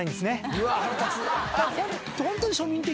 うわっ腹立つ！